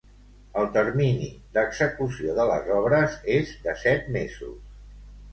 El termini d'execució de les obres és de set mesos.